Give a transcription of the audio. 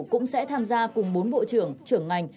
cũng sẽ tham gia cùng bốn bộ trưởng trưởng ngành